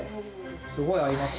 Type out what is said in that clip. すごい合います。